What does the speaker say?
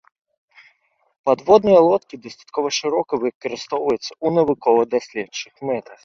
Падводныя лодкі дастаткова шырока выкарыстоўваюцца ў навукова-даследчых мэтах.